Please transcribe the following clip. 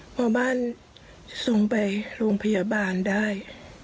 พอบ้านส่งไปโรงพยาบาลได้